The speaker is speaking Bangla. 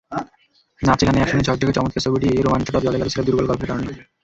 নাচে, গানে, অ্যাকশনে, ঝকঝকে, চমৎকার ছবিটির রোমাঞ্চটা জলে গেল স্রেফ দুর্বল গল্পের কারণে।